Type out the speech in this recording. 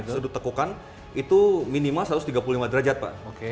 sudut tekukan itu minimal satu ratus tiga puluh lima derajat pak